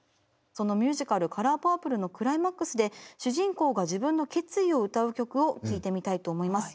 そのミュージカル「カラーパープル」のクライマックスで主人公が自分の決意を歌う曲を聴いてみたいと思います。